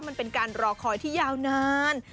มันเป็นการรอคอยที่ยาวนาน